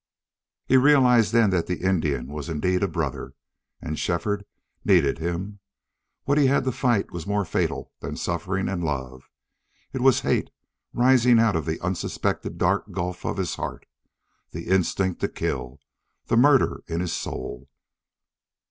He realized then that the Indian was indeed a brother. And Shefford needed him. What he had to fight was more fatal than suffering and love it was hate rising out of the unsuspected dark gulf of his heart the instinct to kill the murder in his soul.